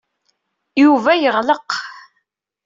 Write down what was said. Yuba yeɣleq.